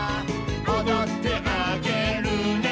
「おどってあげるね」